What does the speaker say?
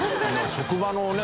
職場のね